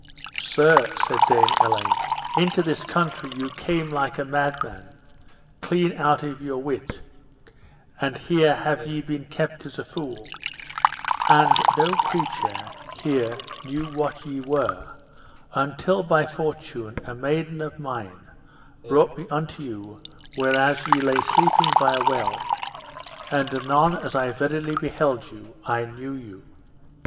Sir, said Dame Elaine, into this country ye came like a madman, clean out of your wit, and here have ye been kept as a fool; and no creature here knew what ye were, until by fortune a maiden of mine brought me unto you whereas ye lay sleeping by a well, and anon as I verily beheld you I knew you.